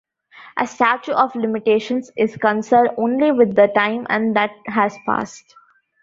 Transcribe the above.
A statute of limitations is concerned only with the time that has passed.